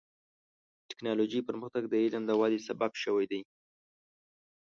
د ټکنالوجۍ پرمختګ د علم د ودې سبب شوی دی.